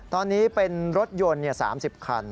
ตอนนี้เป็นรถยนต์๓๐คัน